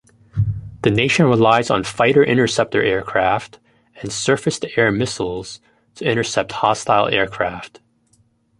The nation relies on fighter-interceptor aircraft and surface-to-air missiles to intercept hostile aircraft.